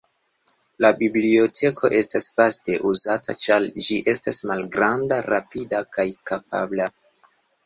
La biblioteko estas vaste uzata, ĉar ĝi estas malgranda, rapida kaj kapabla.